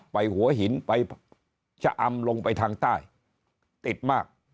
หัวหินไปชะอำลงไปทางใต้ติดมาก